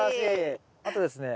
あとですね